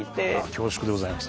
恐縮でございます。